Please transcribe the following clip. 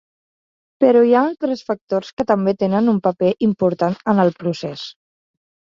Però hi ha altres factors que també tenen un paper important en el procés.